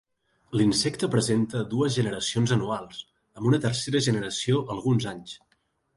L'insecte presenta dues generacions anuals, amb una tercera generació alguns anys.